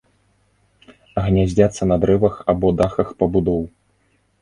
Гняздзяцца на дрэвах або дахах пабудоў.